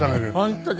本当だ。